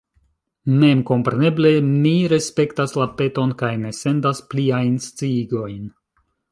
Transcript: Memkompreneble mi respektas la peton kaj ne sendas pliajn sciigojn.